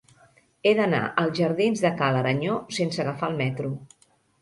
He d'anar als jardins de Ca l'Aranyó sense agafar el metro.